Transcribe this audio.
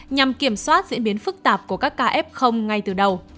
nhằm kiểm soát diễn biến phức tạp của các kf ngay từ đầu